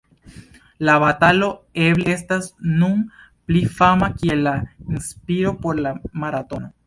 La batalo eble estas nun pli fama kiel la inspiro por la maratono.